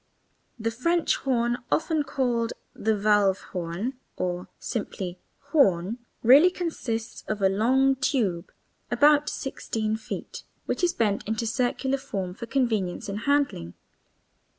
The French horn (often called valve horn or simply horn) really consists of a long tube (about 16 feet) which is bent into circular form for convenience in handling.